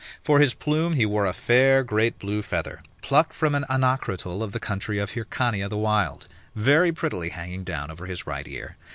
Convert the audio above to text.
For his plume, he wore a fair great blue feather, plucked from an onocrotal of the country of Hircania the wild, very prettily hanging down over his right ear.